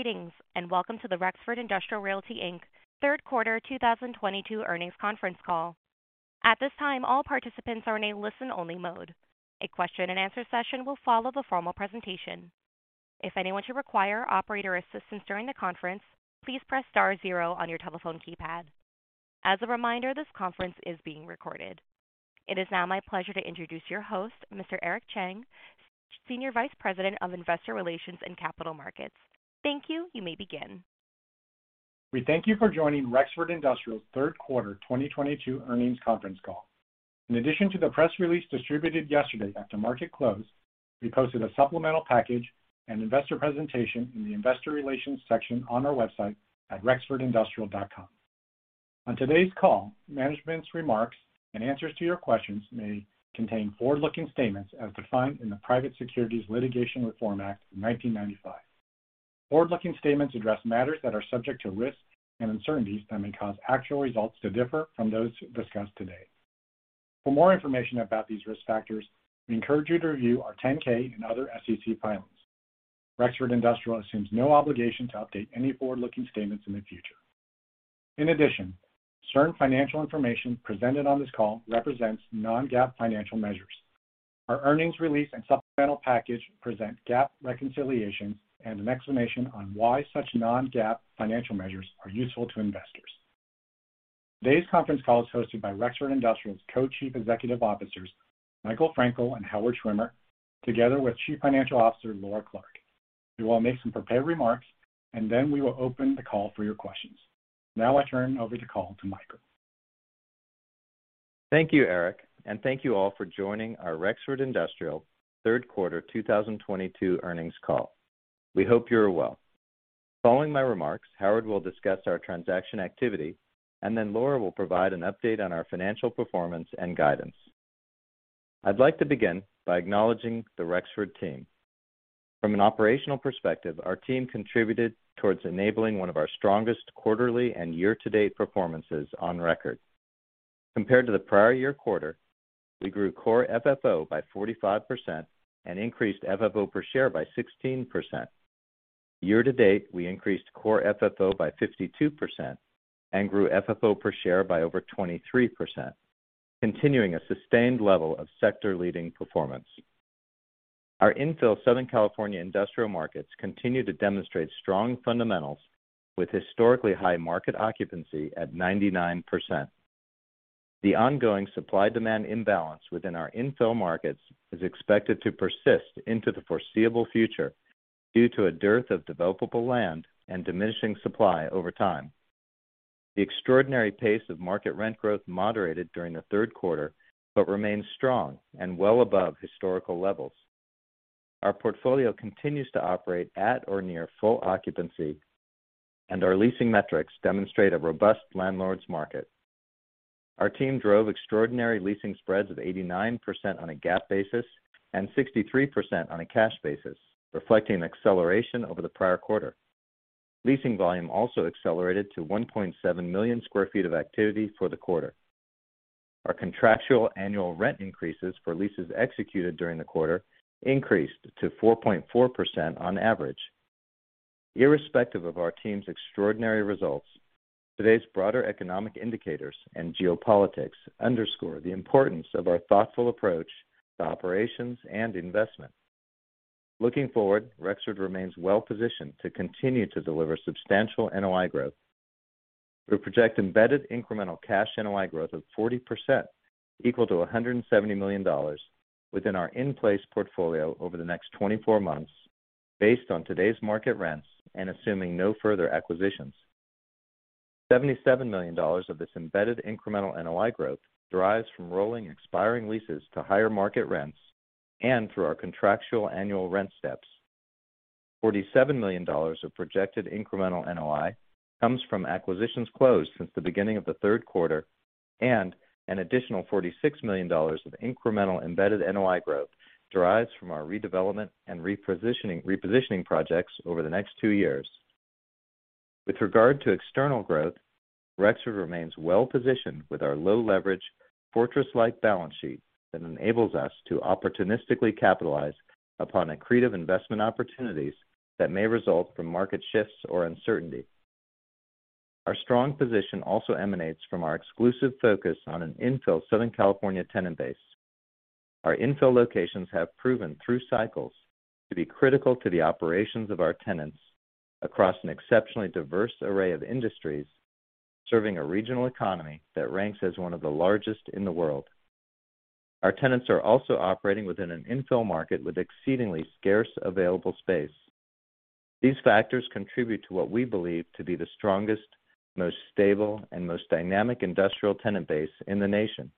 Greetings, and welcome to the Rexford Industrial Realty, Inc. third quarter 2022 earnings conference call. At this time, all participants are in a listen-only mode. A question and answer session will follow the formal presentation. If anyone should require operator assistance during the conference, please press star zero on your telephone keypad. As a reminder, this conference is being recorded. It is now my pleasure to introduce your host, Mr. Aric Chang, Senior Vice President of Investor Relations and Capital Markets. Thank you. You may begin. We thank you for joining Rexford Industrial's third quarter 2022 earnings conference call. In addition to the press release distributed yesterday after market close, we posted a supplemental package and investor presentation in the investor relations section on our website at rexfordindustrial.com. On today's call, management's remarks and answers to your questions may contain forward-looking statements as defined in the Private Securities Litigation Reform Act of 1995. Forward-looking statements address matters that are subject to risks and uncertainties that may cause actual results to differ from those discussed today. For more information about these risk factors, we encourage you to review our 10-K and other SEC filings. Rexford Industrial assumes no obligation to update any forward-looking statements in the future. In addition, certain financial information presented on this call represents non-GAAP financial measures. Our earnings release and supplemental package present GAAP reconciliations and an explanation on why such non-GAAP financial measures are useful to investors. Today's conference call is hosted by Rexford Industrial's Co-Chief Executive Officers, Michael Frankel and Howard Schwimmer, together with Chief Financial Officer, Laura Clark. They will make some prepared remarks, and then we will open the call for your questions. Now I turn over the call to Michael. Thank you, Aric, and thank you all for joining our Rexford Industrial third quarter 2022 earnings call. We hope you are well. Following my remarks, Howard will discuss our transaction activity, and then Laura will provide an update on our financial performance and guidance. I'd like to begin by acknowledging the Rexford team. From an operational perspective, our team contributed towards enabling one of our strongest quarterly and year-to-date performances on record. Compared to the prior year quarter, we grew Core FFO by 45% and increased FFO per share by 16%. Year to date, we increased Core FFO by 52% and grew FFO per share by over 23%, continuing a sustained level of sector-leading performance. Our infill Southern California industrial markets continue to demonstrate strong fundamentals with historically high market occupancy at 99%. The ongoing supply demand imbalance within our infill markets is expected to persist into the foreseeable future due to a dearth of developable land and diminishing supply over time. The extraordinary pace of market rent growth moderated during the third quarter, but remains strong and well above historical levels. Our portfolio continues to operate at or near full occupancy, and our leasing metrics demonstrate a robust landlord's market. Our team drove extraordinary leasing spreads of 89% on a GAAP basis and 63% on a cash basis, reflecting an acceleration over the prior quarter. Leasing volume also accelerated to 1.7 million sq ft of activity for the quarter. Our contractual annual rent increases for leases executed during the quarter increased to 4.4% on average. Irrespective of our team's extraordinary results, today's broader economic indicators and geopolitics underscore the importance of our thoughtful approach to operations and investment. Looking forward, Rexford remains well positioned to continue to deliver substantial NOI growth. We project embedded incremental cash NOI growth of 40%, equal to $170 million within our in-place portfolio over the next 24 months based on today's market rents and assuming no further acquisitions. $77 million of this embedded incremental NOI growth derives from rolling expiring leases to higher market rents and through our contractual annual rent steps. $47 million of projected incremental NOI comes from acquisitions closed since the beginning of the third quarter, and an additional $46 million of incremental embedded NOI growth derives from our redevelopment and repositioning projects over the next two years. With regard to external growth, Rexford remains well positioned with our low leverage fortress-like balance sheet that enables us to opportunistically capitalize upon accretive investment opportunities that may result from market shifts or uncertainty. Our strong position also emanates from our exclusive focus on an infill Southern California tenant base. Our infill locations have proven through cycles to be critical to the operations of our tenants across an exceptionally diverse array of industries, serving a regional economy that ranks as one of the largest in the world. Our tenants are also operating within an infill market with exceedingly scarce available space. These factors contribute to what we believe to be the strongest, most stable and most dynamic industrial tenant base in the nation.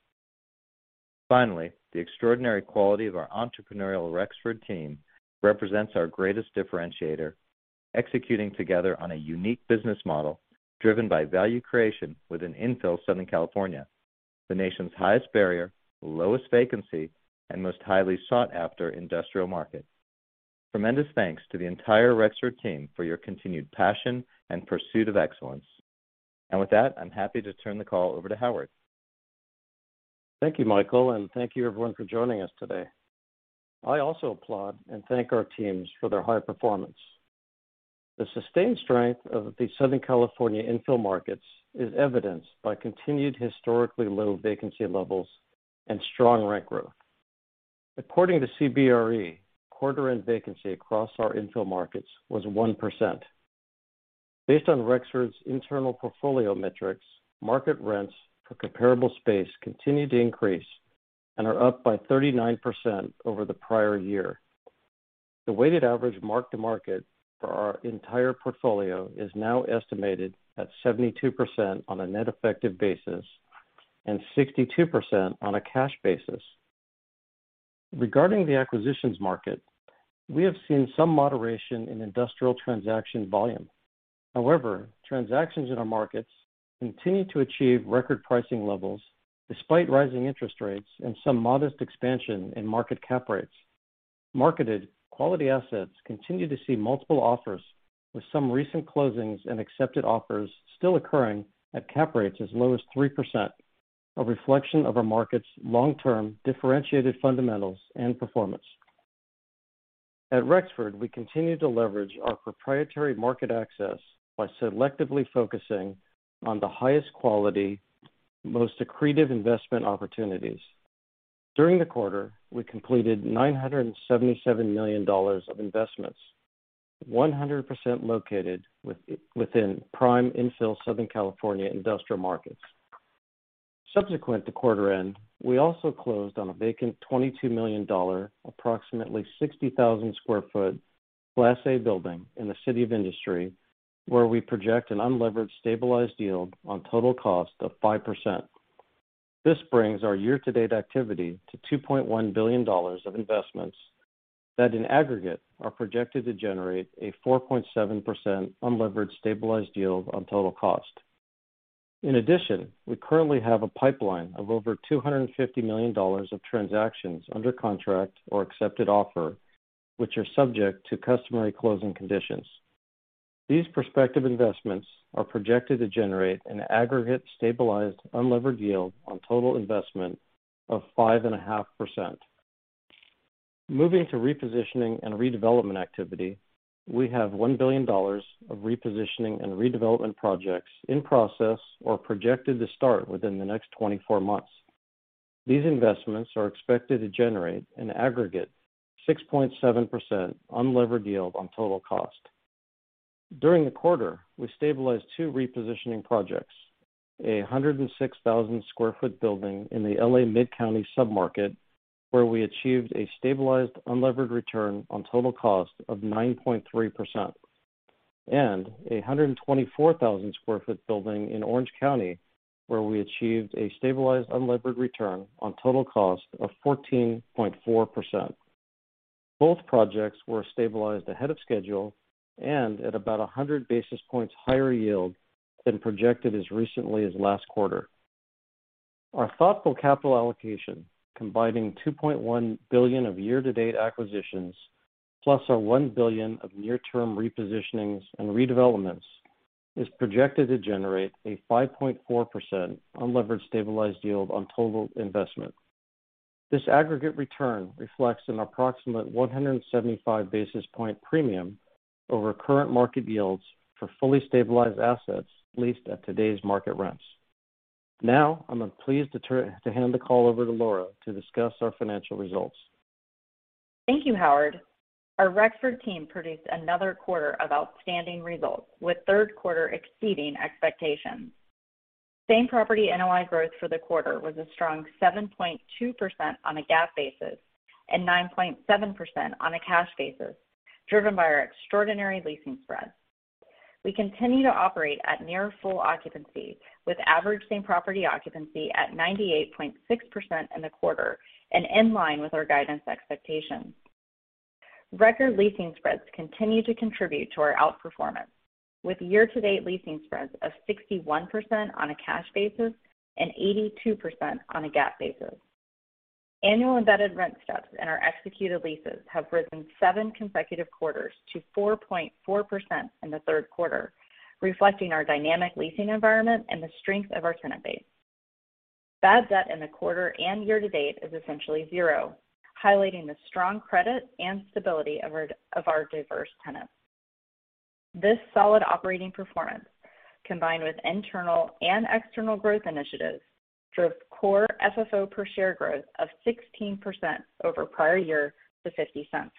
Finally, the extraordinary quality of our entrepreneurial Rexford team represents our greatest differentiator, executing together on a unique business model driven by value creation within infill Southern California, the nation's highest barrier, lowest vacancy, and most highly sought after industrial market. Tremendous thanks to the entire Rexford team for your continued passion and pursuit of excellence. With that, I'm happy to turn the call over to Howard. Thank you, Michael, and thank you everyone for joining us today. I also applaud and thank our teams for their high performance. The sustained strength of the Southern California infill markets is evidenced by continued historically low vacancy levels and strong rent growth. According to CBRE, quarter-end vacancy across our infill markets was 1%. Based on Rexford's internal portfolio metrics, market rents for comparable space continue to increase and are up by 39% over the prior year. The weighted average mark-to-market for our entire portfolio is now estimated at 72% on a net effective basis and 62% on a cash basis. Regarding the acquisitions market, we have seen some moderation in industrial transaction volume. However, transactions in our markets continue to achieve record pricing levels despite rising interest rates and some modest expansion in market cap rates. Marketed quality assets continue to see multiple offers, with some recent closings and accepted offers still occurring at cap rates as low as 3%, a reflection of our markets' long-term differentiated fundamentals and performance. At Rexford, we continue to leverage our proprietary market access by selectively focusing on the highest quality, most accretive investment opportunities. During the quarter, we completed $977 million of investments, 100% located within prime infill Southern California industrial markets. Subsequent to quarter end, we also closed on a vacant $22 million, approximately 60,000 sq ft Class A building in the City of Industry, where we project an unlevered stabilized yield on total cost of 5%. This brings our year-to-date activity to $2.1 billion of investments that, in aggregate, are projected to generate a 4.7% unlevered stabilized yield on total cost. In addition, we currently have a pipeline of over $250 million of transactions under contract or accepted offer, which are subject to customary closing conditions. These prospective investments are projected to generate an aggregate stabilized unlevered yield on total investment of 5.5%. Moving to repositioning and redevelopment activity, we have $1 billion of repositioning and redevelopment projects in process or projected to start within the next 24 months. These investments are expected to generate an aggregate 6.7% unlevered yield on total cost. During the quarter, we stabilized two repositioning projects, a 106,000 sq ft building in the L.A. Mid-County sub-market, where we achieved a stabilized unlevered return on total cost of 9.3%, and a 124,000 sq ft building in Orange County, where we achieved a stabilized unlevered return on total cost of 14.4%. Both projects were stabilized ahead of schedule and at about 100 basis points higher yield than projected as recently as last quarter. Our thoughtful capital allocation, combining $2.1 billion of year-to-date acquisitions plus our $1 billion of near-term repositionings and redevelopments, is projected to generate a 5.4% unlevered stabilized yield on total investment. This aggregate return reflects an approximate 175 basis points premium over current market yields for fully stabilized assets leased at today's market rents. Now, I'm pleased to hand the call over to Laura Clark to discuss our financial results. Thank you, Howard. Our Rexford team produced another quarter of outstanding results, with third quarter exceeding expectations. Same Property NOI growth for the quarter was a strong 7.2% on a GAAP basis and 9.7% on a cash basis, driven by our extraordinary leasing spreads. We continue to operate at near full occupancy, with average same property occupancy at 98.6% in the quarter and in line with our guidance expectations. Record leasing spreads continue to contribute to our outperformance, with year-to-date leasing spreads of 61% on a cash basis and 82% on a GAAP basis. Annual embedded rent steps in our executed leases have risen seven consecutive quarters to 4.4% in the third quarter, reflecting our dynamic leasing environment and the strength of our tenant base. Bad debt in the quarter and year to date is essentially zero, highlighting the strong credit and stability of our diverse tenants. This solid operating performance, combined with internal and external growth initiatives, drove Core FFO per share growth of 16% over prior year to $0.50.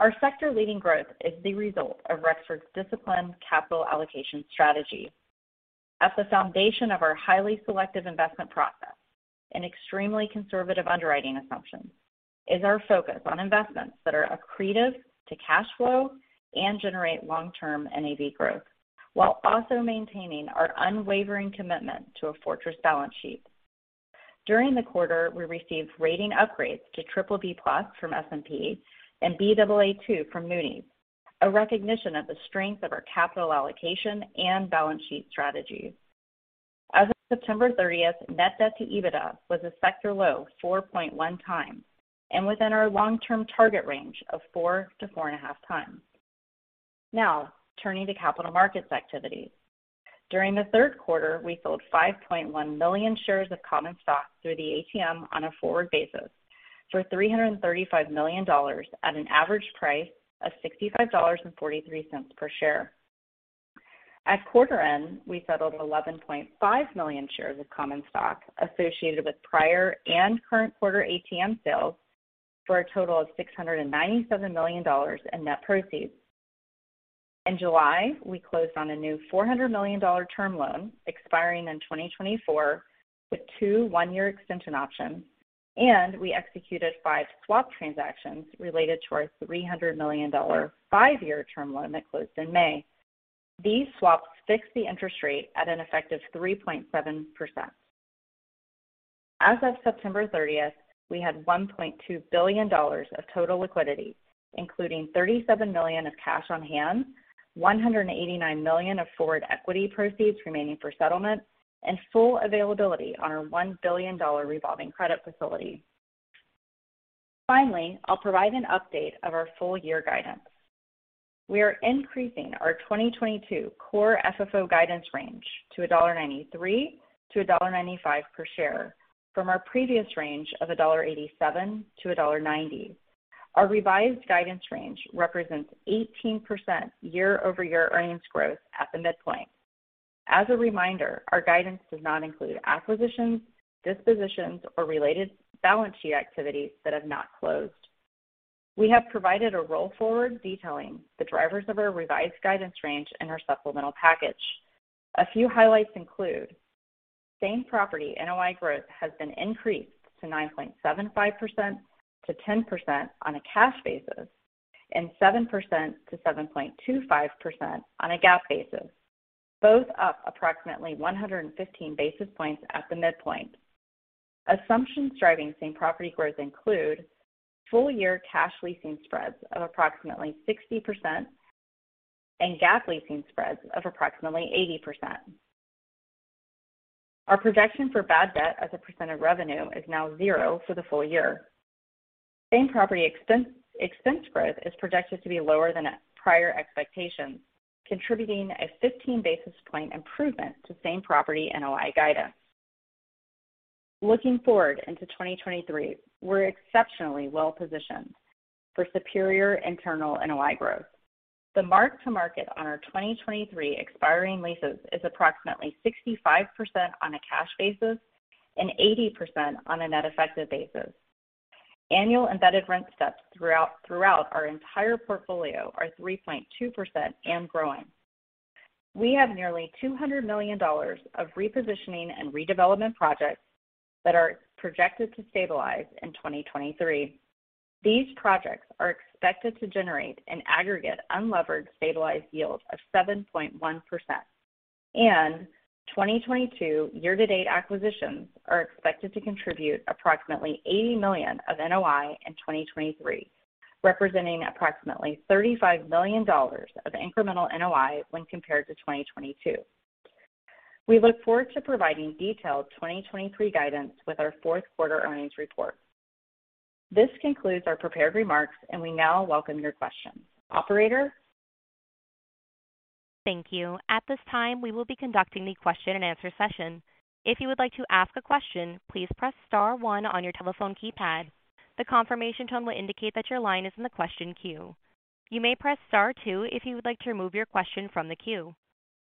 Our sector-leading growth is the result of Rexford's disciplined capital allocation strategy. At the foundation of our highly selective investment process and extremely conservative underwriting assumptions is our focus on investments that are accretive to cash flow and generate long-term NAV growth, while also maintaining our unwavering commitment to a fortress balance sheet. During the quarter, we received rating upgrades to BBB+ from S&P and Baa2 from Moody's, a recognition of the strength of our capital allocation and balance sheet strategy. As of September 30th, Net Debt to EBITDA was a sector low 4.1x, and within our long-term target range of 4x-4.5x. Now turning to capital markets activities. During the third quarter, we sold 5.1 million shares of common stock through the ATM on a forward basis for $335 million at an average price of $65.43 per share. At quarter end, we settled 11.5 million shares of common stock associated with prior and current quarter ATM sales for a total of $697 million in net proceeds. In July, we closed on a new $400 million term loan expiring in 2024 with two one-year extension options, and we executed five swap transactions related to our $300 million five-year term loan that closed in May. These swaps fixed the interest rate at an effective 3.7%. As of September 30th, we had $1.2 billion of total liquidity, including $37 million of cash on hand, $189 million of forward equity proceeds remaining for settlement, and full availability on our $1 billion revolving credit facility. Finally, I'll provide an update of our full year guidance. We are increasing our 2022 Core FFO guidance range to $1.93-$1.95 per share from our previous range of $1.87-$1.90. Our revised guidance range represents 18% year-over-year earnings growth at the midpoint. As a reminder, our guidance does not include acquisitions, dispositions, or related balance sheet activities that have not closed. We have provided a roll forward detailing the drivers of our revised guidance range in our supplemental package. A few highlights include Same Property NOI growth has been increased to 9.75%-10% on a cash basis and 7%-7.25% on a GAAP basis, both up approximately 115 basis points at the midpoint. Assumptions driving same property growth include full year cash leasing spreads of approximately 60% and GAAP leasing spreads of approximately 80%. Our projection for bad debt as a percent of revenue is now 0% for the full year. Same-property expense growth is projected to be lower than prior expectations, contributing a 15 basis point improvement to Same Property NOI guidance. Looking forward into 2023, we're exceptionally well positioned for superior internal NOI growth. The mark-to-market on our 2023 expiring leases is approximately 65% on a cash basis and 80% on a net effective basis. Annual embedded rent steps throughout our entire portfolio are 3.2% and growing. We have nearly $200 million of repositioning and redevelopment projects that are projected to stabilize in 2023. These projects are expected to generate an aggregate unlevered stabilized yield of 7.1%. 2022 year-to-date acquisitions are expected to contribute approximately $80 million of NOI in 2023, representing approximately $35 million of incremental NOI when compared to 2022. We look forward to providing detailed 2023 guidance with our fourth quarter earnings report. This concludes our prepared remarks, and we now welcome your questions. Operator? Thank you. At this time, we will be conducting the question and answer session. If you would like to ask a question, please press star one on your telephone keypad. The confirmation tone will indicate that your line is in the question queue. You may press star two if you would like to remove your question from the queue.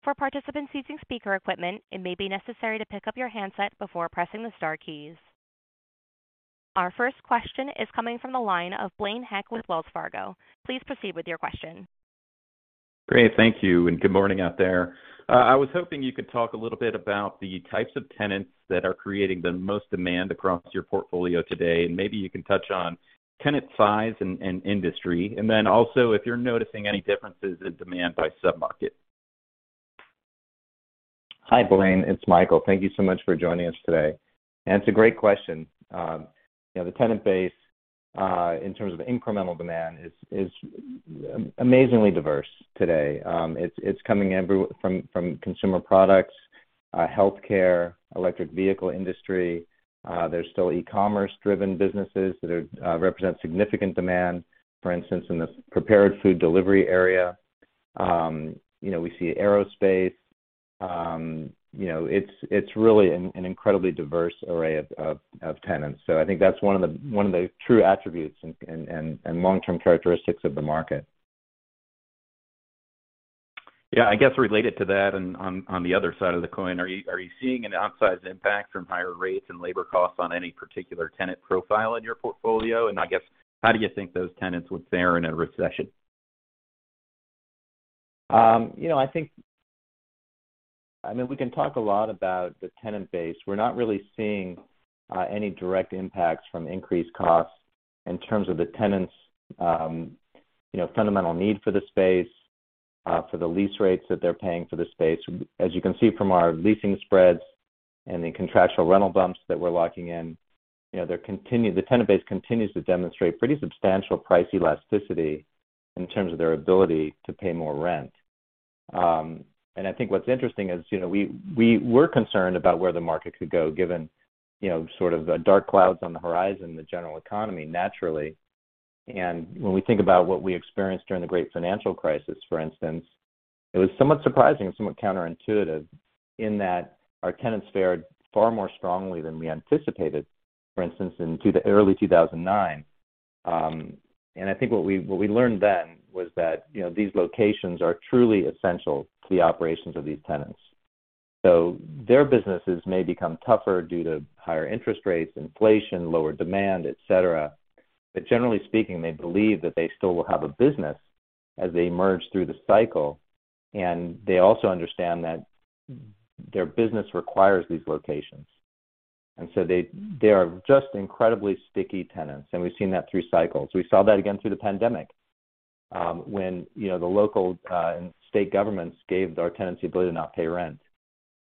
For participants using speaker equipment, it may be necessary to pick up your handset before pressing the star keys. Our first question is coming from the line of Blaine Heck with Wells Fargo. Please proceed with your question. Great. Thank you, and good morning out there. I was hoping you could talk a little bit about the types of tenants that are creating the most demand across your portfolio today, and maybe you can touch on tenant size and industry? And then also if you're noticing any differences in demand by sub-market? Hi, Blaine, it's Michael. Thank you so much for joining us today. It's a great question. You know, the tenant base in terms of incremental demand is amazingly diverse today. It's coming from consumer products, healthcare, electric vehicle industry. There's still e-commerce driven businesses that represent significant demand. For instance, in the prepared food delivery area. You know, we see aerospace. You know, it's really an incredibly diverse array of tenants. I think that's one of the true attributes and long-term characteristics of the market. Yeah. I guess related to that and on the other side of the coin, are you seeing an outsized impact from higher rates and labor costs on any particular tenant profile in your portfolio? I guess how do you think those tenants would fare in a recession? You know, I think. I mean, we can talk a lot about the tenant base. We're not really seeing any direct impacts from increased costs in terms of the tenants' fundamental need for the space, for the lease rates that they're paying for the space. As you can see from our leasing spreads and the contractual rental bumps that we're locking in, you know, the tenant base continues to demonstrate pretty substantial price elasticity in terms of their ability to pay more rent. I think what's interesting is, you know, we were concerned about where the market could go given, you know, sort of the dark clouds on the horizon, the general economy, naturally. When we think about what we experienced during the great financial crisis, for instance, it was somewhat surprising and somewhat counterintuitive in that our tenants fared far more strongly than we anticipated, for instance, in early 2009. I think what we learned then was that, you know, these locations are truly essential to the operations of these tenants. Their businesses may become tougher due to higher interest rates, inflation, lower demand, etc. Generally speaking, they believe that they still will have a business as they emerge through the cycle, and they also understand that their business requires these locations. They are just incredibly sticky tenants. We've seen that through cycles. We saw that again through the pandemic, when, you know, the local and state governments gave our tenants the ability to not pay rent.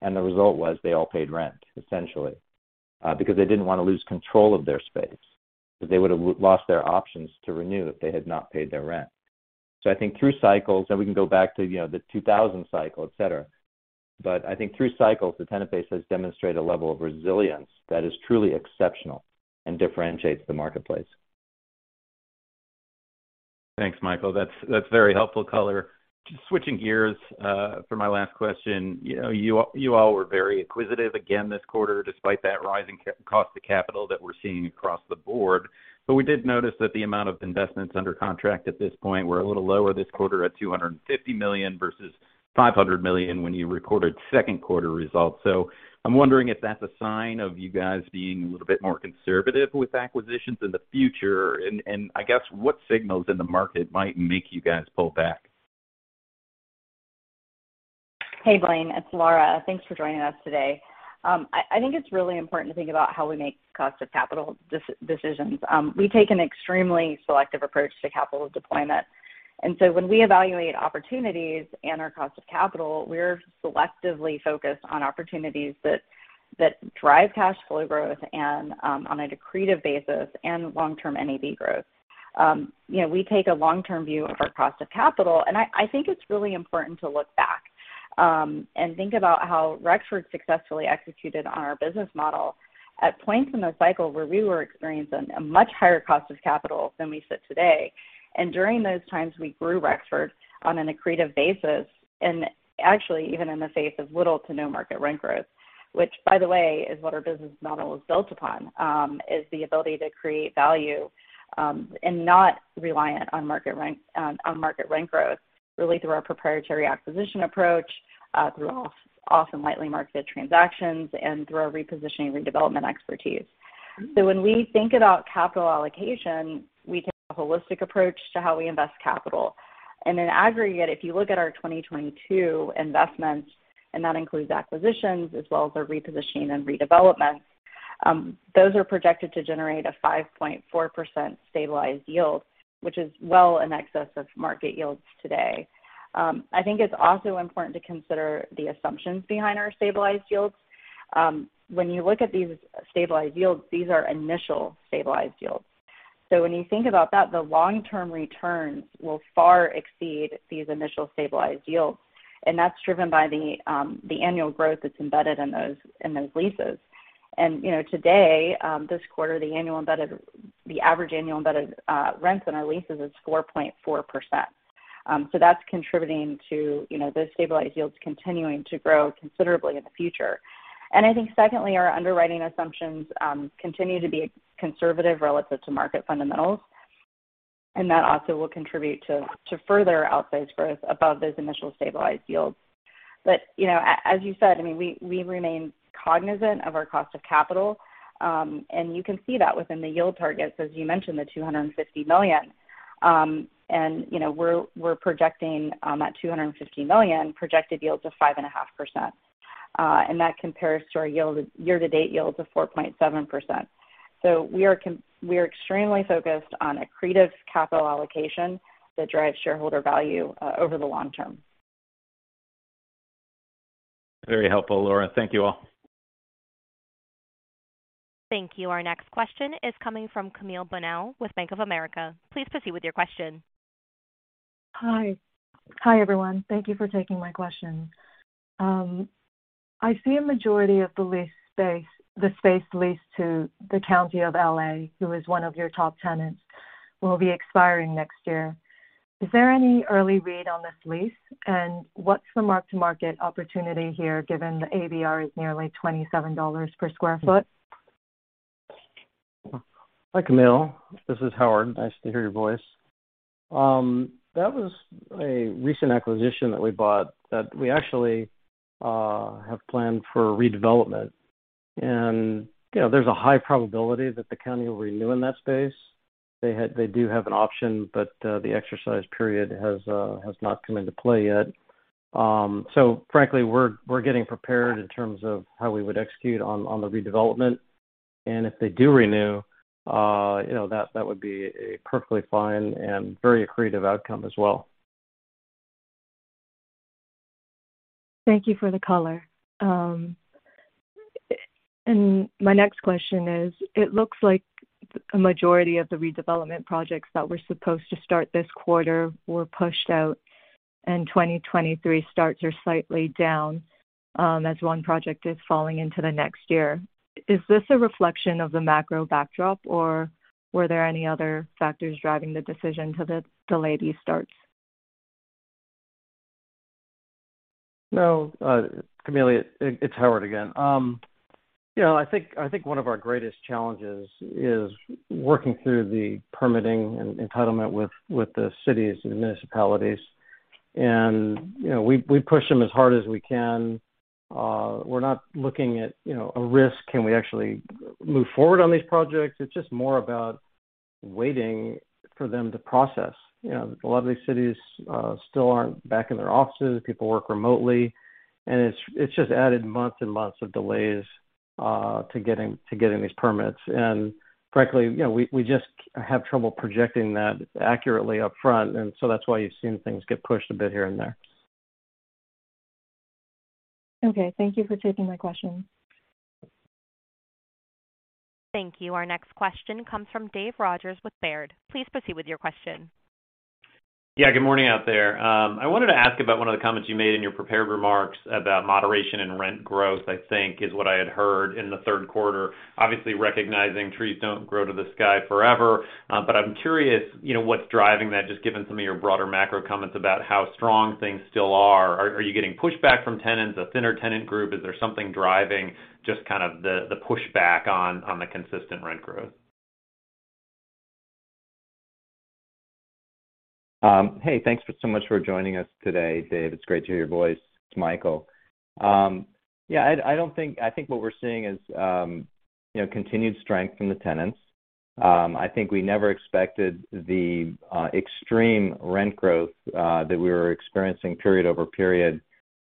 The result was they all paid rent, essentially, because they didn't want to lose control of their space, because they would have lost their options to renew if they had not paid their rent. I think through cycles, and we can go back to, you know, the 2000 cycle, etc. I think through cycles, the tenant base has demonstrated a level of resilience that is truly exceptional and differentiates the marketplace. Thanks, Michael. That's very helpful color. Just switching gears for my last question. You know, you all were very acquisitive again this quarter, despite that rising cost of capital that we're seeing across the board. We did notice that the amount of investments under contract at this point were a little lower this quarter at $250 million versus $500 million when you recorded second quarter results. I'm wondering if that's a sign of you guys being a little bit more conservative with acquisitions in the future. I guess what signals in the market might make you guys pull back? Hey, Blaine, it's Laura. Thanks for joining us today. I think it's really important to think about how we make cost of capital decisions. We take an extremely selective approach to capital deployment. When we evaluate opportunities and our cost of capital, we're selectively focused on opportunities that drive cash flow growth and on an accretive basis and long-term NAV growth. You know, we take a long-term view of our cost of capital. I think it's really important to look back and think about how Rexford successfully executed on our business model at points in the cycle where we were experiencing a much higher cost of capital than we sit today. During those times, we grew Rexford on an accretive basis and actually even in the face of little to no market rent growth, which by the way, is what our business model is built upon, is the ability to create value, and not reliant on market rent, on market rent growth, really through our proprietary acquisition approach, through often lightly marketed transactions and through our repositioning redevelopment expertise. When we think about capital allocation, we take a holistic approach to how we invest capital. In aggregate, if you look at our 2022 investments, and that includes acquisitions as well as our repositioning and redevelopments, those are projected to generate a 5.4% stabilized yield, which is well in excess of market yields today. I think it's also important to consider the assumptions behind our stabilized yields. When you look at these stabilized yields, these are initial stabilized yields. When you think about that, the long-term returns will far exceed these initial stabilized yields. That's driven by the annual growth that's embedded in those leases. You know, today, this quarter, the average annual embedded rents in our leases is 4.4%. That's contributing to, you know, those stabilized yields continuing to grow considerably in the future. I think secondly, our underwriting assumptions continue to be conservative relative to market fundamentals. That also will contribute to further outsized growth above those initial stabilized yields. You know, as you said, I mean, we remain cognizant of our cost of capital. You can see that within the yield targets, as you mentioned, the $250 million. You know, we're projecting at $250 million projected yields of 5.5%. That compares to our year-to-date yields of 4.7%. We are extremely focused on accretive capital allocation that drives shareholder value over the long term. Very helpful, Laura. Thank you all. Thank you. Our next question is coming from Camille Bonnel with Bank of America. Please proceed with your question. Hi. Hi, everyone. Thank you for taking my question. I see a majority of the leased space, the space leased to the County of Los Angeles, who is one of your top tenants, will be expiring next year. Is there any early read on this lease? What's the mark-to-market opportunity here, given the ABR is nearly $27 per sq ft? Hi, Camille. This is Howard. Nice to hear your voice. That was a recent acquisition that we bought that we actually have planned for redevelopment. You know, there's a high probability that the county will renew in that space. They do have an option, but the exercise period has not come into play yet. Frankly, we're getting prepared in terms of how we would execute on the redevelopment. If they do renew, you know, that would be a perfectly fine and very accretive outcome as well. Thank you for the color. My next question is, it looks like the, a majority of the redevelopment projects that were supposed to start this quarter were pushed out, and 2023 starts are slightly down, as one project is falling into the next year. Is this a reflection of the macro backdrop, or were there any other factors driving the decision to delay these starts? No, Camille, it's Howard again. You know, I think one of our greatest challenges is working through the permitting and entitlement with the cities and municipalities. You know, we push them as hard as we can. We're not looking at, you know, a risk, can we actually move forward on these projects? It's just more about waiting for them to process. You know, a lot of these cities still aren't back in their offices. People work remotely, and it's just added months and months of delays to getting these permits. Frankly, you know, we just have trouble projecting that accurately upfront, and so that's why you've seen things get pushed a bit here and there. Okay. Thank you for taking my question. Thank you. Our next question comes from David Rodgers with Baird. Please proceed with your question. Yeah, good morning out there. I wanted to ask about one of the comments you made in your prepared remarks about moderation and rent growth, I think is what I had heard in the third quarter. Obviously, recognizing trees don't grow to the sky forever. But I'm curious, you know, what's driving that, just given some of your broader macro comments about how strong things still are. Are you getting pushback from tenants, a thinner tenant group? Is there something driving just kind of the pushback on the consistent rent growth? Hey, thanks so much for joining us today, David. It's great to hear your voice. It's Michael. Yeah, I think what we're seeing is, you know, continued strength from the tenants. I think we never expected the extreme rent growth that we were experiencing period over period,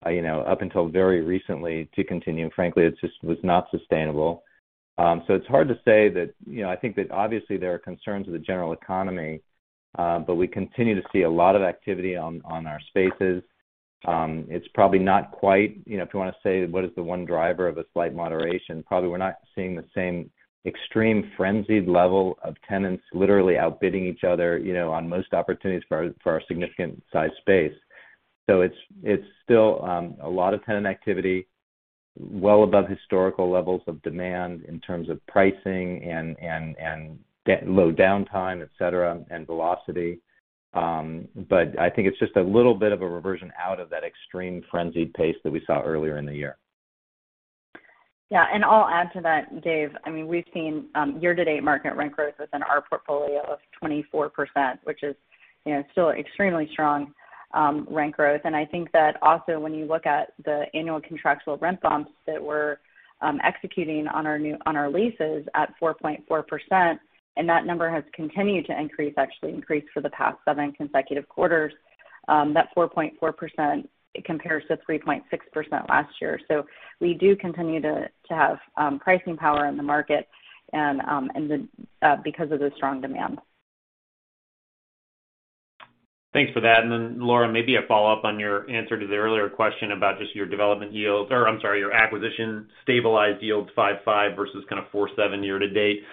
you know, up until very recently to continue. Frankly, it just was not sustainable. It's hard to say that, you know, I think that obviously there are concerns with the general economy, but we continue to see a lot of activity on our spaces. It's probably not quite, you know, if you wanna say, what is the one driver of a slight moderation? Probably we're not seeing the same extreme frenzied level of tenants literally outbidding each other, you know, on most opportunities for our significant size space. It's still a lot of tenant activity well above historical levels of demand in terms of pricing and low downtime, et cetera, and velocity. I think it's just a little bit of a reversion out of that extreme frenzied pace that we saw earlier in the year. Yeah. I'll add to that, David. I mean, we've seen year-to-date market rent growth within our portfolio of 24%, which is, you know, still extremely strong rent growth. I think that also when you look at the annual contractual rent bumps that we're executing on our leases at 4.4%, and that number has continued to increase, actually increased for the past seven consecutive quarters. That 4.4% compares to 3.6% last year. We do continue to have pricing power in the market and because of the strong demand. Thanks for that. Laura, maybe a follow-up on your answer to the earlier question about just your acquisition stabilized yield 5.5% versus kind of 4.7% year to date.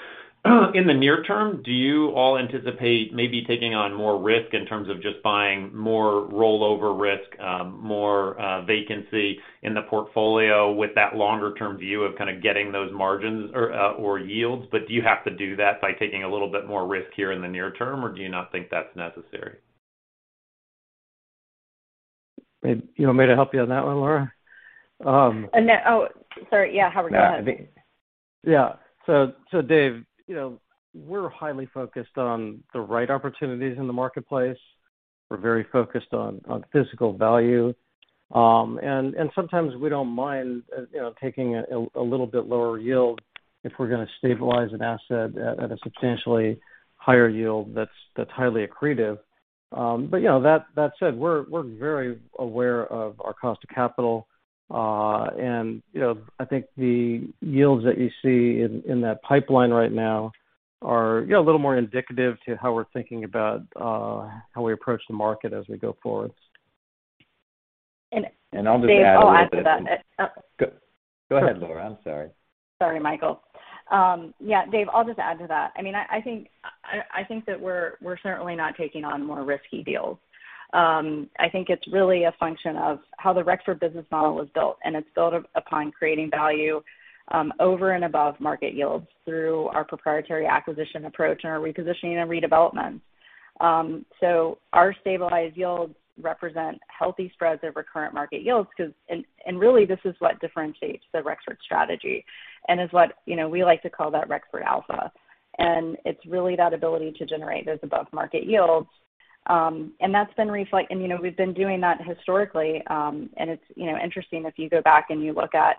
In the near term, do you all anticipate maybe taking on more risk in terms of just buying more rollover risk, more vacancy in the portfolio with that longer-term view of kind of getting those margins or yields? Do you have to do that by taking a little bit more risk here in the near term, or do you not think that's necessary? Maybe you want me to help you on that one, Laura? Oh, no. Oh, sorry. Yeah, Howard. Go ahead. Yeah. David, you know, we're highly focused on the right opportunities in the marketplace. We're very focused on physical value. Sometimes we don't mind, you know, taking a little bit lower yield if we're gonna stabilize an asset at a substantially higher yield that's highly accretive. You know, that said, we're very aware of our cost of capital. You know, I think the yields that you see in that pipeline right now are, you know, a little more indicative to how we're thinking about how we approach the market as we go forward. David, I'll add to that. I'll just add a little bit. Go ahead, Laura. I'm sorry. Sorry, Michael. Yeah, David, I'll just add to that. I mean, I think that we're certainly not taking on more risky deals. I think it's really a function of how the Rexford business model was built, and it's built upon creating value over and above market yields through our proprietary acquisition approach and our repositioning and redevelopments. Our stabilized yields represent healthy spreads over current market yields 'cause really this is what differentiates the Rexford strategy and is what, you know, we like to call that Rexford Alpha. It's really that ability to generate those above market yields. That's been reflect. You know, we've been doing that historically, and it's, you know, interesting if you go back and you look at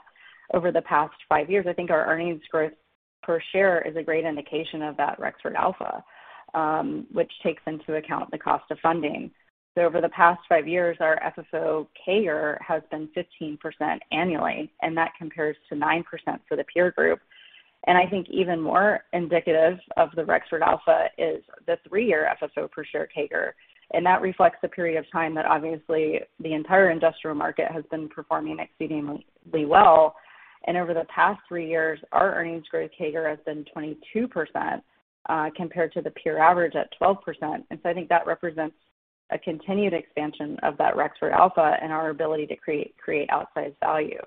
over the past five years. I think our earnings growth per share is a great indication of that Rexford Alpha, which takes into account the cost of funding. Over the past five years, our FFO CAGR has been 15% annually, and that compares to 9% for the peer group. I think even more indicative of the Rexford Alpha is the 3-year FFO per share CAGR. That reflects the period of time that obviously the entire industrial market has been performing exceedingly well. Over the past three years, our earnings growth CAGR has been 22%, compared to the peer average at 12%. I think that represents a continued expansion of that Rexford Alpha and our ability to create outsized value.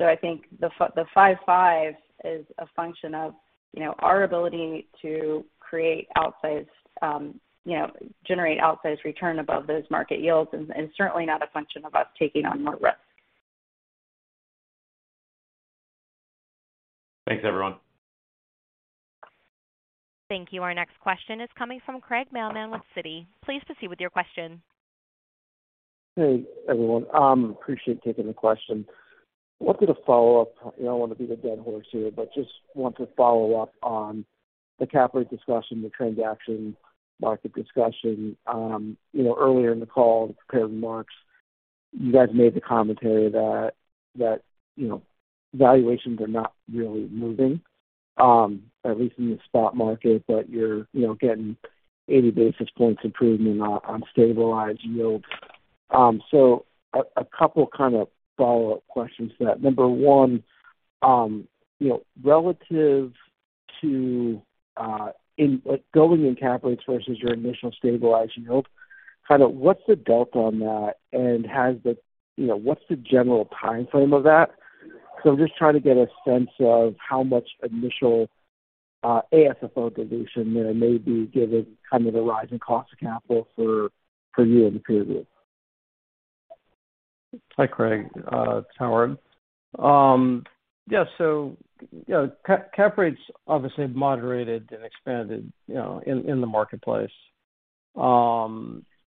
I think the 5-5 is a function of, you know, our ability to create outsized, you know, generate outsized return above those market yields and certainly not a function of us taking on more risk. Thanks, everyone. Thank you. Our next question is coming from Craig Mailman with Citi. Please proceed with your question. Hey, everyone. Appreciate taking the question. Wanted to follow up. I don't want to beat a dead horse here, but just want to follow up on the cap rate discussion, the transaction market discussion. You know, earlier in the call, the prepared remarks, you guys made the commentary that, you know, valuations are not really moving, at least in the spot market, but you're, you know, getting 80 basis points improvement on stabilized yields. So a couple kind of follow-up questions to that. Number one, you know, relative to, in, like, going in cap rates versus your initial stabilized yield, kind of what's the delta on that. You know, what's the general timeframe of that. I'm just trying to get a sense of how much initial AFFO dilution there may be given kind of the rise in cost of capital for you in the period. Hi, Craig. It's Howard. Yeah, you know, cap rates obviously have moderated and expanded, you know, in the marketplace. You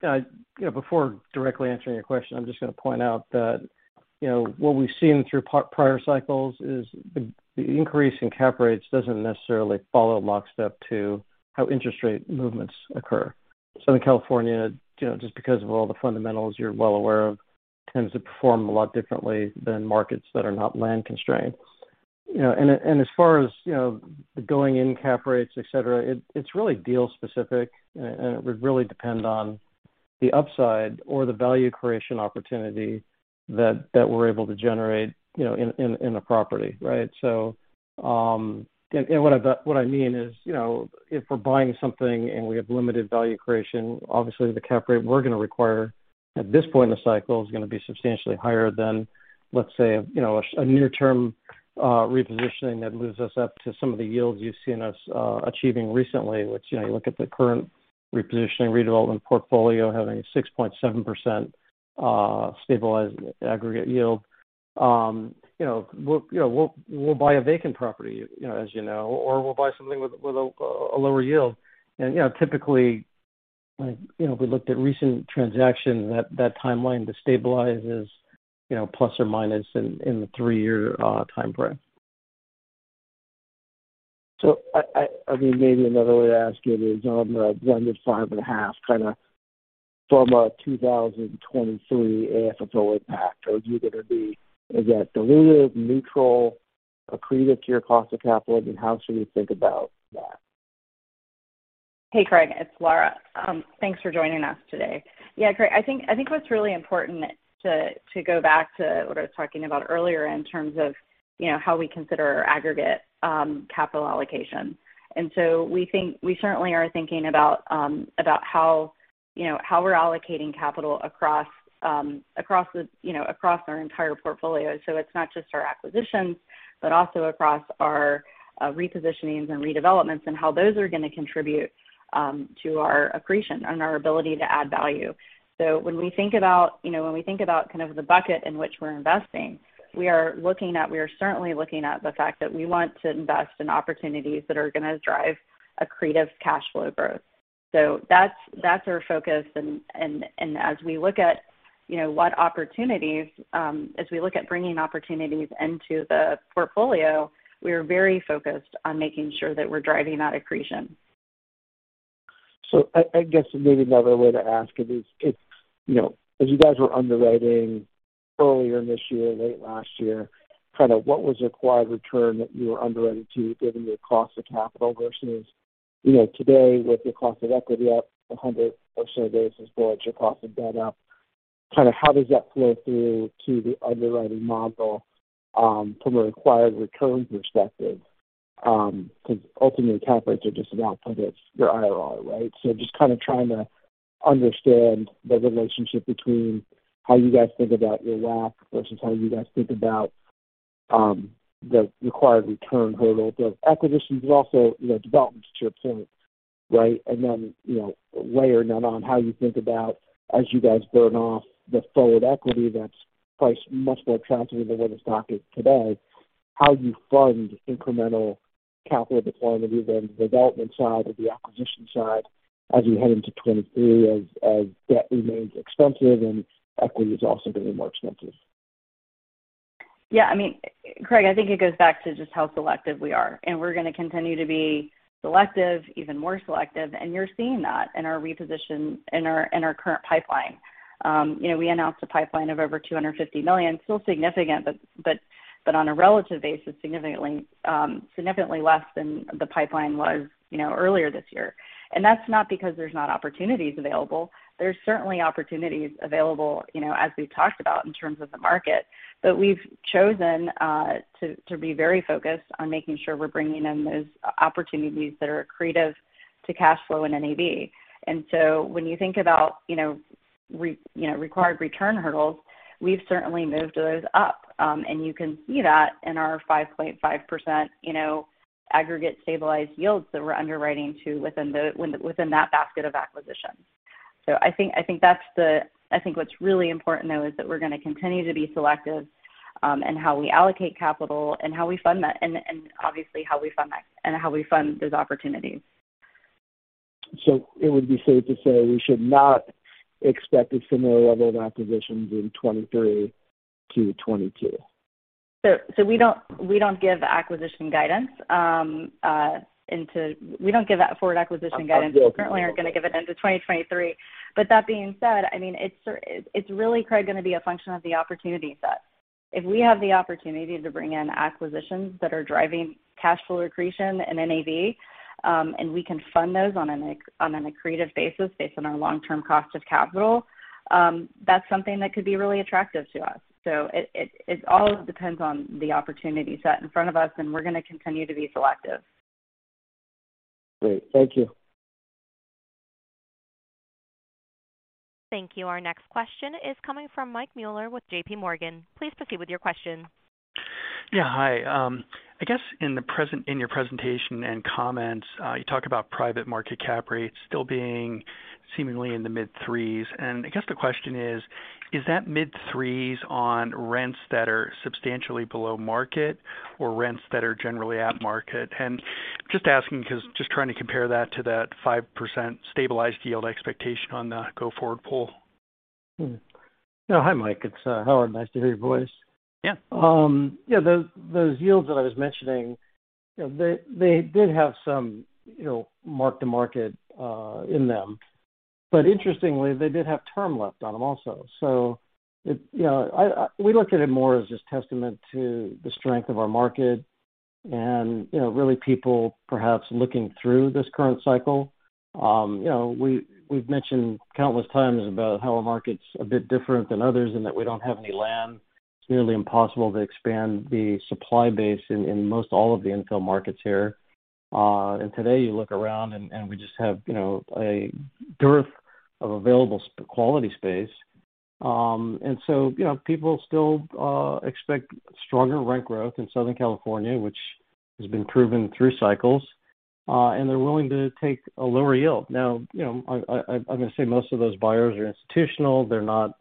know, before directly answering your question, I'm just gonna point out that, you know, what we've seen through prior cycles is the increase in cap rates doesn't necessarily follow lockstep to how interest rate movements occur. Southern California, you know, just because of all the fundamentals you're well aware of, tends to perform a lot differently than markets that are not land constrained. You know, and as far as, you know, going in cap rates, et cetera, it's really deal specific, and it would really depend on the upside or the value creation opportunity that we're able to generate, you know, in a property, right? What I mean is, you know, if we're buying something and we have limited value creation, obviously the cap rate we're gonna require at this point in the cycle is gonna be substantially higher than, let's say, you know, a near term repositioning that moves us up to some of the yields you've seen us achieving recently, which, you know, you look at the current repositioning redevelopment portfolio having 6.7% stabilized aggregate yield. You know, we'll buy a vacant property, you know, as you know, or we'll buy something with a lower yield. You know, typically, like, you know, if we looked at recent transactions, that timeline to stabilize is, you know, plus or minus in the three-year timeframe. I mean, maybe another way to ask it is on the blended 5.5% kinda from a 2023 AFFO impact, is that dilutive, neutral, accretive to your cost of capital? How should we think about that? Hey, Craig, it's Laura. Thanks for joining us today. Yeah, Craig, I think what's really important to go back to what I was talking about earlier in terms of, you know, how we consider our aggregate capital allocation. We certainly are thinking about how, you know, how we're allocating capital across, you know, across our entire portfolio. It's not just our acquisitions, but also across our repositionings and redevelopments and how those are gonna contribute to our accretion and our ability to add value. When we think about, you know, kind of the bucket in which we're investing, we certainly are looking at the fact that we want to invest in opportunities that are gonna drive accretive cash flow growth. That's our focus. As we look at bringing opportunities into the portfolio, we are very focused on making sure that we're driving that accretion. I guess maybe another way to ask it is if, you know, as you guys were underwriting earlier in this year, late last year, kind of what was your required return that you were underwriting to given your cost of capital versus, you know, today with your cost of equity up 100 or so basis points, your cost of debt up? Kinda how does that flow through to the underwriting model from a required returns perspective? 'Cause ultimately cap rates are just an output of your IRR, right? Just kinda trying to understand the relationship between how you guys think about your WACC versus how you guys think about the required return hurdle for acquisitions, but also, you know, developments to your point, right? You know, layering that on how you think about as you guys burn off the forward equity that's priced much more attractively than where the stock is today? How you fund incremental capital deployment, be that on the development side or the acquisition side as we head into 2023 as debt remains expensive and equity is also going to be more expensive? Yeah, I mean, Craig, I think it goes back to just how selective we are, and we're gonna continue to be selective, even more selective, and you're seeing that in our current pipeline. You know, we announced a pipeline of over $250 million. Still significant, but on a relative basis, significantly less than the pipeline was, you know, earlier this year. That's not because there's not opportunities available. There's certainly opportunities available, you know, as we've talked about in terms of the market. We've chosen to be very focused on making sure we're bringing in those opportunities that are accretive to cash flow and NAV. When you think about, you know, required return hurdles, we've certainly moved those up. You can see that in our 5.5%, you know, aggregate stabilized yields that we're underwriting to within that basket of acquisitions. I think what's really important, though, is that we're gonna continue to be selective in how we allocate capital and how we fund that and obviously how we fund those opportunities. It would be safe to say we should not expect a similar level of acquisitions in 2023 to 2022. We don't give out forward acquisition guidance. I'm good. We currently aren't gonna give guidance into 2023. That being said, I mean, it's really, Craig, gonna be a function of the opportunity set. If we have the opportunity to bring in acquisitions that are driving cash flow accretion and NAV, and we can fund those on an accretive basis based on our long-term cost of capital, that's something that could be really attractive to us. It all depends on the opportunity set in front of us, and we're gonna continue to be selective. Great. Thank you. Thank you. Our next question is coming from Michael Mueller with JPMorgan. Please proceed with your question. Yeah, hi. I guess in your presentation and comments, you talk about private market cap rates still being seemingly in the mid-threes. I guess the question is that mid-threes on rents that are substantially below market or rents that are generally at market? Just asking because just trying to compare that to that 5% stabilized yield expectation on the go-forward pool. No. Hi, Mike. It's Howard. Nice to hear your voice. Yeah. Yeah, those yields that I was mentioning, you know, they did have some, you know, mark-to-market in them. But interestingly, they did have term left on them also. We look at it more as just testament to the strength of our market and, you know, really people perhaps looking through this current cycle. You know, we've mentioned countless times about how our market's a bit different than others and that we don't have any land. It's nearly impossible to expand the supply base in most all of the infill markets here. Today, you look around and we just have, you know, a dearth of available quality space. You know, people still expect stronger rent growth in Southern California, which has been proven through cycles, and they're willing to take a lower yield. Now, you know, I'm gonna say most of those buyers are institutional. They're not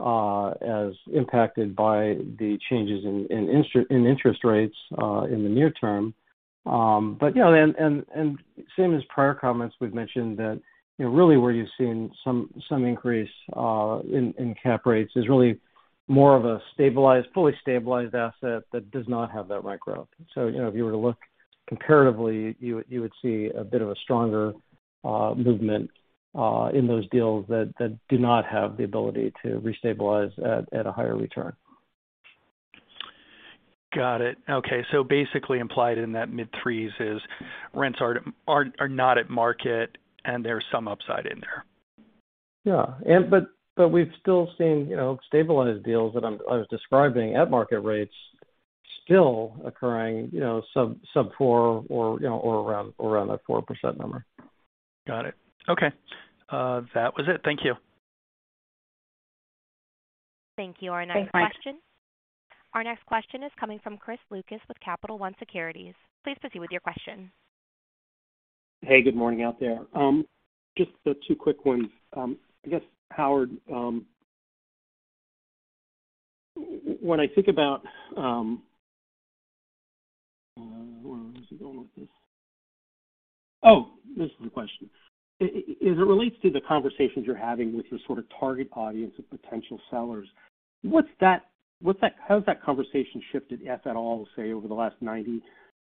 as impacted by the changes in interest rates in the near term. Same as prior comments we've mentioned that, you know, really where you've seen some increase in cap rates is really more of a stabilized, fully stabilized asset that does not have that rent growth. If you were to look comparatively, you would see a bit of a stronger movement in those deals that do not have the ability to restabilize at a higher return. Got it. Okay. Basically implied in that mid-threes is rents are not at market and there's some upside in there. We've still seen, you know, stabilized deals that I was describing at market rates still occurring, you know, sub 4% or around that 4% number. Got it. Okay. That was it. Thank you. Thank you. Thanks, Mike. Our next question is coming from Chris Lucas with Capital One Securities. Please proceed with your question. Hey, good morning out there. Just the two quick ones. I guess, Howard, where was I going with this? Oh, this is the question. As it relates to the conversations you're having with your sort of target audience of potential sellers, what's that, how's that conversation shifted, if at all, say over the last 90,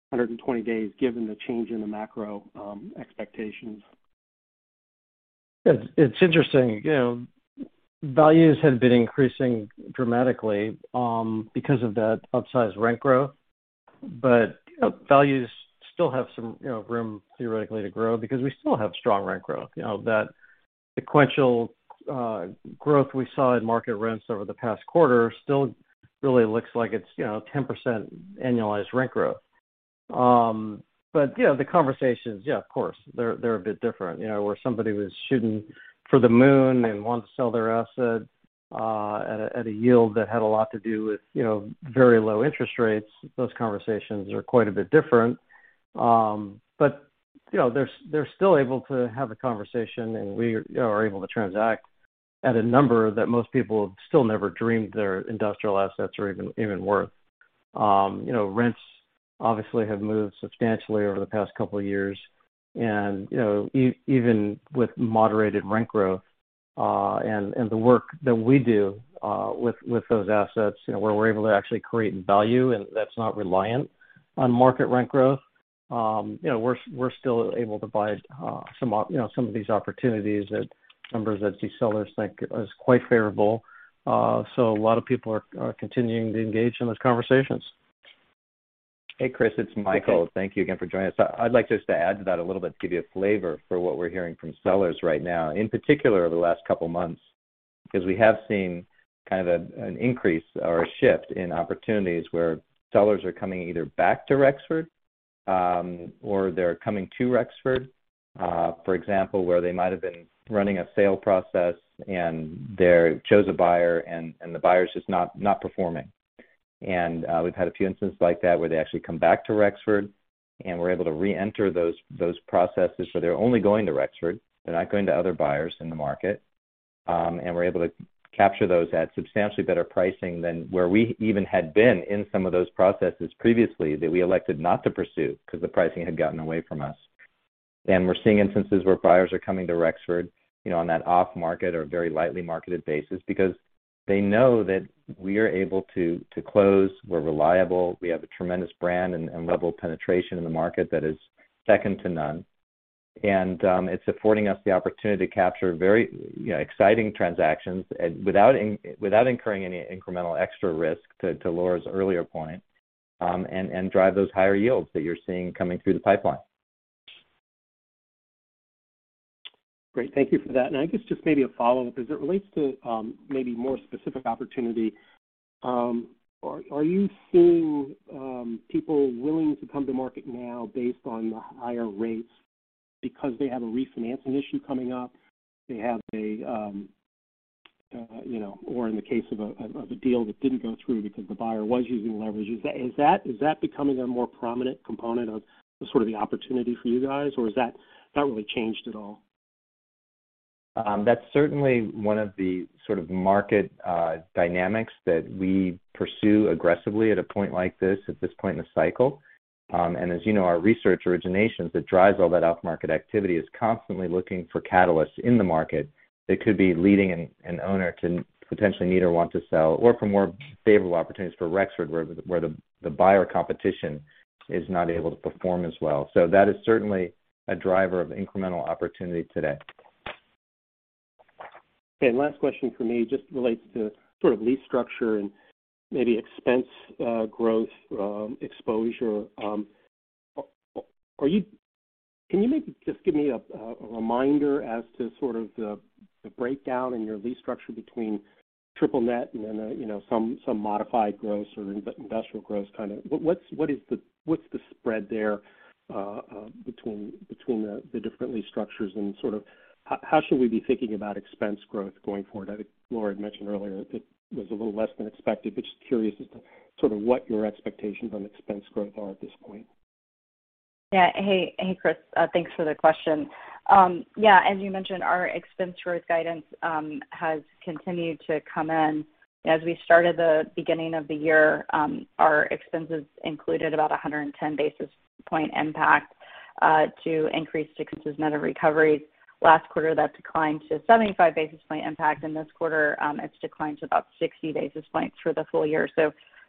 120 days, given the change in the macro expectations? It's interesting. You know, values had been increasing dramatically because of that upsized rent growth. Values still have some room theoretically to grow because we still have strong rent growth. You know, that sequential growth we saw in market rents over the past quarter still really looks like it's 10% annualized rent growth. You know, the conversations, yeah, of course, they're a bit different. You know, where somebody was shooting for the moon and wants to sell their asset at a yield that had a lot to do with very low interest rates, those conversations are quite a bit different. You know, they're still able to have a conversation, and we, you know, are able to transact at a number that most people still never dreamed their industrial assets are even worth. You know, rents. Obviously have moved substantially over the past couple of years and, you know, even with moderated rent growth, and the work that we do with those assets, you know, where we're able to actually create value and that's not reliant on market rent growth, you know, we're still able to buy some of these opportunities that many of these sellers think is quite favorable. A lot of people are continuing to engage in those conversations. Hey, Chris, it's Michael. Thank you again for joining us. I'd like just to add to that a little bit to give you a flavor for what we're hearing from sellers right now. In particular, the last couple months, because we have seen kind of an increase or a shift in opportunities where sellers are coming either back to Rexford, or they're coming to Rexford, for example, where they might have been running a sale process and they chose a buyer and the buyer's just not performing. We've had a few instances like that where they actually come back to Rexford and we're able to reenter those processes. They're only going to Rexford, they're not going to other buyers in the market. We're able to capture those at substantially better pricing than where we even had been in some of those processes previously that we elected not to pursue because the pricing had gotten away from us. We're seeing instances where buyers are coming to Rexford, you know, on that off market or very lightly marketed basis because they know that we are able to close. We're reliable, we have a tremendous brand and level of penetration in the market that is second to none. It's affording us the opportunity to capture very, you know, exciting transactions without incurring any incremental extra risk to Laura's earlier point, and drive those higher yields that you're seeing coming through the pipeline. Great. Thank you for that. I guess just maybe a follow-up. As it relates to maybe more specific opportunity, are you seeing people willing to come to market now based on the higher rates because they have a refinancing issue coming up? They have a you know, or in the case of a deal that didn't go through because the buyer was using leverage. Is that becoming a more prominent component of sort of the opportunity for you guys, or is that not really changed at all? That's certainly one of the sort of market dynamics that we pursue aggressively at a point like this, at this point in the cycle. As you know, our research originations that drives all that off-market activity is constantly looking for catalysts in the market that could be leading an owner to potentially need or want to sell, or for more favorable opportunities for Rexford, where the buyer competition is not able to perform as well. That is certainly a driver of incremental opportunity today. Okay, last question for me just relates to sort of lease structure and maybe expense growth exposure. Can you maybe just give me a reminder as to sort of the breakdown in your lease structure between triple net and then, you know, some modified gross or industrial gross kind of? What's the spread there between the different lease structures and sort of how should we be thinking about expense growth going forward? I think Laura had mentioned earlier it was a little less than expected, but just curious as to sort of what your expectations on expense growth are at this point. Yeah. Hey, Chris, thanks for the question. Yeah, as you mentioned, our expense growth guidance has continued to come in. As we started the beginning of the year, our expenses included about 110 basis point impact to increased expenses, net of recoveries. Last quarter, that declined to 75 basis point impact. In this quarter, it's declined to about 60 basis points through the full year.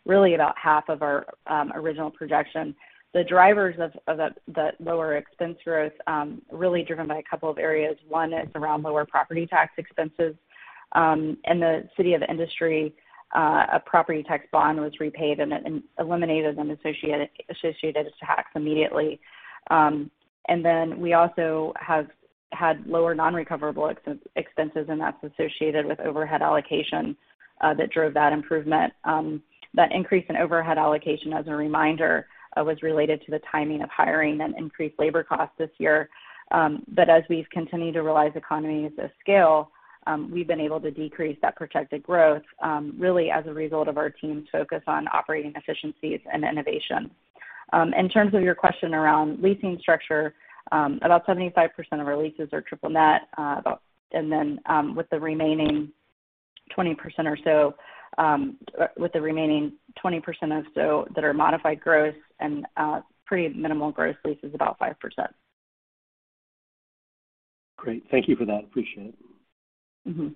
Really about half of our original projection. The drivers of that lower expense growth really driven by a couple of areas. One is around lower property tax expenses, and the City of Industry, a property tax bond was repaid and it eliminated the associated tax immediately. Then we also have had lower non-recoverable expenses, and that's associated with overhead allocation that drove that improvement. That increase in overhead allocation, as a reminder, was related to the timing of hiring and increased labor costs this year. As we've continued to realize economies of scale, we've been able to decrease that projected growth, really as a result of our team's focus on operating efficiencies and innovation. In terms of your question around leasing structure, about 75% of our leases are triple net. With the remaining 20% or so that are modified gross and pretty minimal gross lease is about 5%. Great. Thank you for that. Appreciate it. Mm-hmm.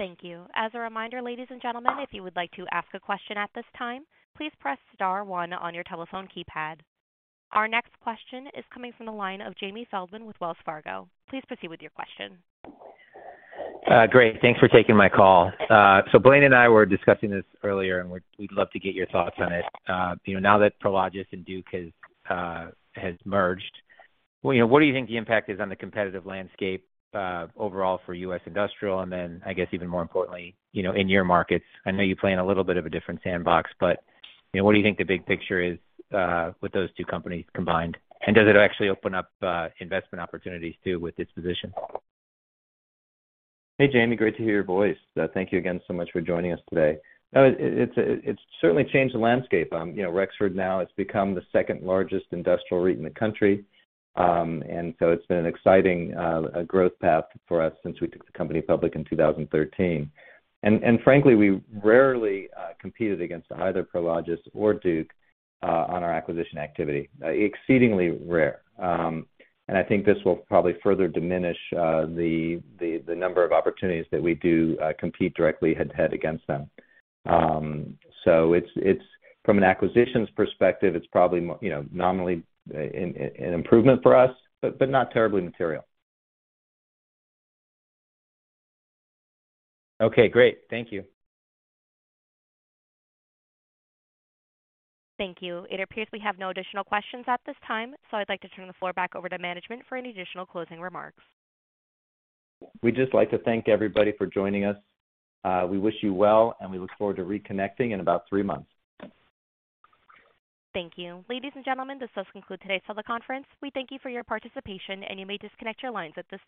Thank you. As a reminder, ladies and gentlemen, if you would like to ask a question at this time, please press star one on your telephone keypad. Our next question is coming from the line of Jamie Feldman with Wells Fargo. Please proceed with your question. Great. Thanks for taking my call. Blaine and I were discussing this earlier, and we'd love to get your thoughts on it. You know, now that Prologis and Duke has merged, you know, what do you think the impact is on the competitive landscape overall for U.S. industrial? And then I guess even more importantly, you know, in your markets, I know you play in a little bit of a different sandbox, but, you know, what do you think the big picture is with those two companies combined? And does it actually open up investment opportunities too with this position? Hey, Jamie, great to hear your voice. Thank you again so much for joining us today. No, it's certainly changed the landscape. You know, Rexford now has become the second largest industrial REIT in the country. It's been an exciting growth path for us since we took the company public in 2013. Frankly, we rarely competed against either Prologis or Duke on our acquisition activity. Exceedingly rare. I think this will probably further diminish the number of opportunities that we do compete directly head-to-head against them. It's from an acquisitions perspective, it's probably, you know, nominally an improvement for us, but not terribly material. Okay, great. Thank you. Thank you. It appears we have no additional questions at this time, so I'd like to turn the floor back over to management for any additional closing remarks. We'd just like to thank everybody for joining us. We wish you well, and we look forward to reconnecting in about three months. Thank you. Ladies and gentlemen, this does conclude today's teleconference. We thank you for your participation, and you may disconnect your lines at this time.